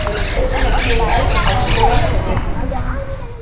Ez nekien hain hauskorra zenik.